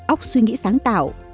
óc suy nghĩ sáng tạo